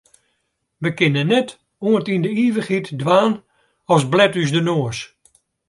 Wy kinne net oant yn de ivichheid dwaan as blet ús de noas.